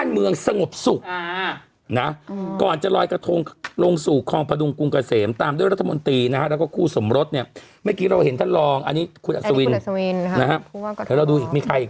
เมื่อกี้เราเห็นท่านรองอันนี้คุณแอสวินแล้วเราดูมีใครอีก